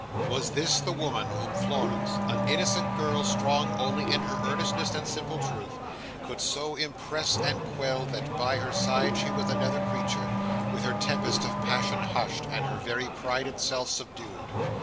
Was this the woman whom Florence—an innocent girl, strong only in her earnestness and simple truth—could so impress and quell, that by her side she was another creature, with her tempest of passion hushed, and her very pride itself subdued?